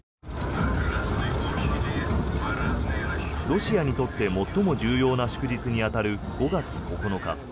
ロシアにとって最も重要な祝日に当たる５月９日。